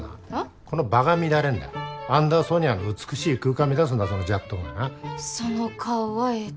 この場が乱れんだアンダーソニアの美しい空間を乱すんだそのじゃっどんがなその顔はええと？